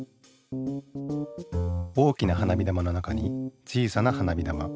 大きな花火玉の中に小さな花火玉。